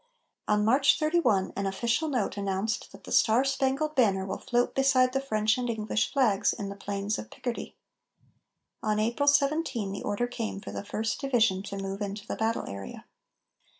On March 31 an official note announced that "the Star Spangled Banner will float beside the French and English flags in the plains of Picardy." On April 17 the order came for the First Division to move into the battle area.